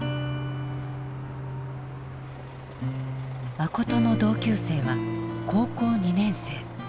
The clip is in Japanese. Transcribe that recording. マコトの同級生は高校２年生。